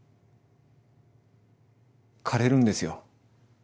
枯れるんですよ。